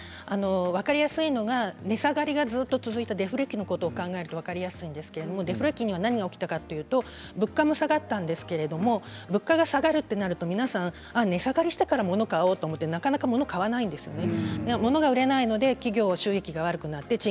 分かりやすいのが値下がりがずっと続いたデフレ期のことを考えると分かりやすいんですがデフレ期に何が起きたかというと物価が下がったんですけれど物価が下がるとなると皆さん値下がりしたから物を買おうと思ってなかなか物を買わないですね。